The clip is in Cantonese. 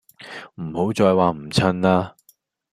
唔好再話唔襯啦